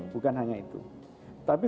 bukan hanya itu tapi